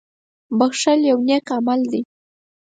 • بښل یو نېک عمل دی.